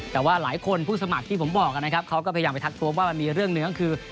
แต่ว่าหลายคนผู้สมัครที่ผมบอกนะครับเขาก็พยายามไปทักทวงว่ามันมีเรื่องเนื้อคือ